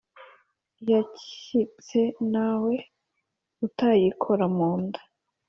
Iyakitse ntawe utayikora mu nda.